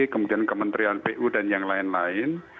kemudian kementerian pu dan yang lain lain